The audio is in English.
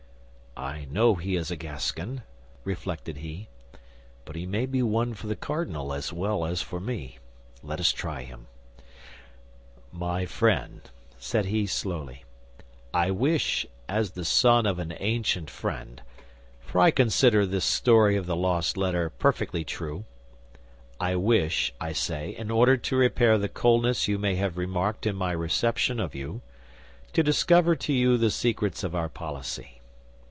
"I know he is a Gascon," reflected he, "but he may be one for the cardinal as well as for me. Let us try him." "My friend," said he, slowly, "I wish, as the son of an ancient friend—for I consider this story of the lost letter perfectly true—I wish, I say, in order to repair the coldness you may have remarked in my reception of you, to discover to you the secrets of our policy.